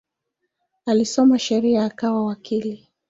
Alisoma sheria akawa wakili.